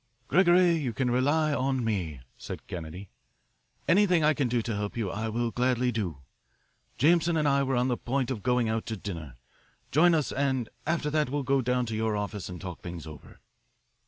"Gregory, you can rely on me," said Kennedy. "Anything I can do to help you I will gladly do. Jameson and I were on the point of going out to dinner. Join us, and after that we will go down to your office and talk things over."